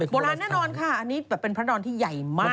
โบราณแน่นอนค่ะอันนี้แบบเป็นพระดอนที่ใหญ่มาก